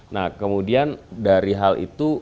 nah kemudian dari hal itu